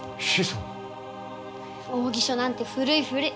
奥義書なんて古い古い。